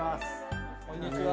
こんにちは。